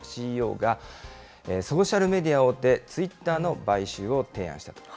ＣＥＯが、ソーシャルメディア大手、ツイッターの買収を提案したと。